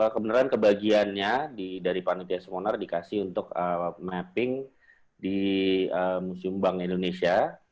kebeneran kebahagiannya di dari pandemi seminar dikasih untuk mapping di museum bank indonesia